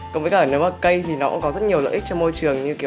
còn với cả nếu mà cây thì nó cũng có rất nhiều lợi ích cho môi trường